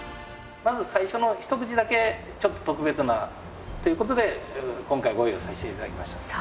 まず最初のひと口だけちょっと特別な。ということで今回ご用意させていただきました。